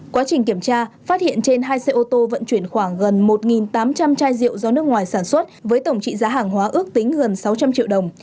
quá trình kiểm tra phát hiện trên hai xe ô tô vận chuyển khoảng gần một tám trăm linh chai rượu do nước ngoài sản xuất với tổng trị giá hàng hóa ước tính gần sáu trăm linh triệu đồng